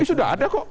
ini sudah ada kok